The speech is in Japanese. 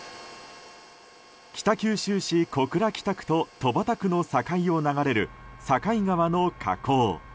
北九州市小倉北区と戸畑区の境を流れる境川の河口。